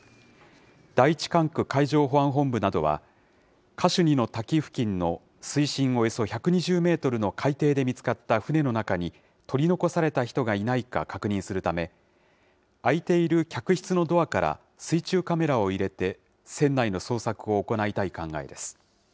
第１管区海上保安本部などは、カシュニの滝付近の水深およそ１２０メートルの海底で見つかった船の中に、取り残された人がいないか確認するため、開いている客室のドアから水中カメラを入れて、船内の捜索を行いたい考えです。